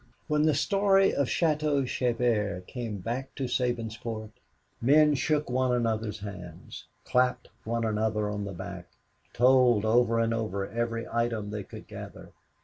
When the story of Château Thierry came back to Sabinsport, men shook one another's hands, clapped one another on the back, told over and over every item they could gather.